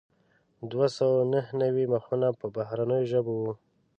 دوه سوه نهه نوي مخونه په بهرنیو ژبو وو.